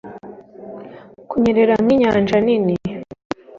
Kunyerera nkinyanja nini